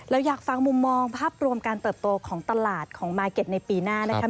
เราอยากฟังมุมมองภาพรวมการเติบโตของตลาดของมาร์เก็ตในปีหน้านะครับ